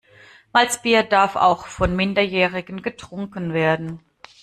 Malzbier darf auch von Minderjährigen getrunken werden.